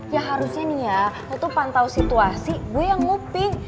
ya harusnya nih ya lo tuh pantau situasi gue yang nguping